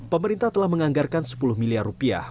pemerintah telah menganggarkan sepuluh miliar rupiah